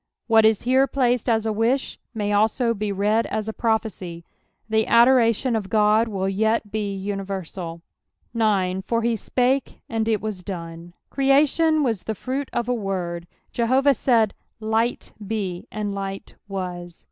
What is here placed aa a wish may aUo be read as a prophecy: tbc adoration of God will yet ho nniverBal. 0. ''For he tpake, and it teat done." Creation was the fruit of a word. Jehoviih aaid, "Light be," and light waa.